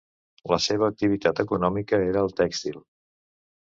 La seva activitat econòmica era el tèxtil.